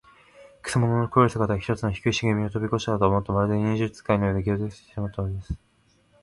くせ者の黒い姿が、ひとつの低いしげみをとびこしたかと思うと、まるで、忍術使いのように、消えうせてしまったのです。